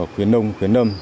khuyến nông khuyến nâm